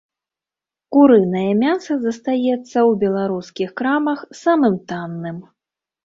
Курынае мяса застаецца ў беларускіх крамах самым танным.